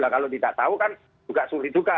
kalau tidak tahu kan juga sulit juga